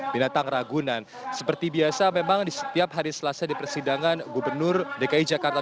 binatang ragunan seperti biasa memang di setiap hari selasa di persidangan gubernur dki jakarta